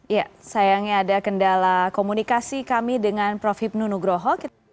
ya sayangnya ada kendala komunikasi kami dengan prof hipnu nugroho